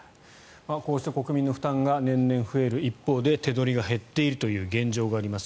こうした国民の負担が年々増える一方で手取りが減っているという現状があります。